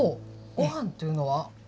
ご飯というのは？